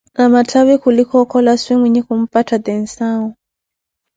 na mathavi khulika okhola swi mwinhe khumpatha tensau